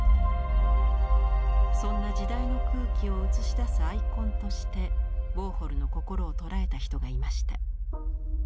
そんな時代の空気を映し出すアイコンとしてウォーホルの心をとらえた人がいました。